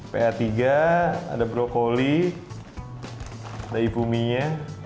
pa tiga ada brokoli ada ifumi nya